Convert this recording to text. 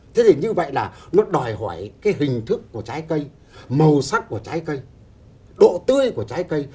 thế thì như vậy là nó đòi hỏi cái hình thức của trái cây màu sắc của trái cây độ tươi của trái cây